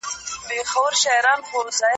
پرمختللی اقتصاد د خلګو د سوکالۍ لامل ګرځي.